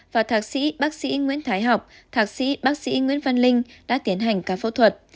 và thạc sĩ bác sĩ nguyễn thái học thạc sĩ bác sĩ nguyễn văn linh đã tiến hành ca phẫu thuật